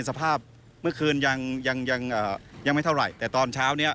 สภาพเมื่อคืนยังยังยังไม่เท่าไหร่แต่ตอนเช้าเนี้ย